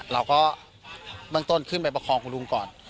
เบื้องต้นขึ้นไปประคองคุณลุงก่อน